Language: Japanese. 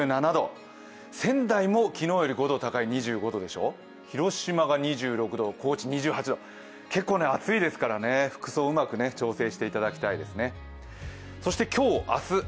仙台も昨日より５度高い２５度でしょ、広島が２６度、高知２８度、結構暑いですから、服装をうまく調整していただきたいですね。